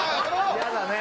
嫌だね。